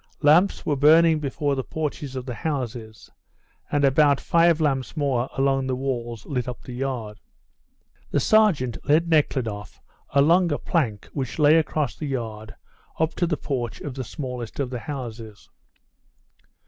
Lamps were burning before the porches of the houses and about five lamps more along the walls lit up the yard. The sergeant led Nekhludoff along a plank which lay across the yard up to the porch of the smallest of the houses.